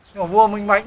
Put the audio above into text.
nhưng mà vua minh mạnh